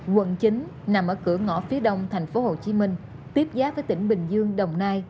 quận chín nằm ở cửa ngõ phía đông tp hcm tiếp giáp với tỉnh bình dương đồng nai